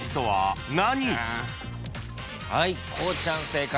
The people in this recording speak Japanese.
はいこうちゃん。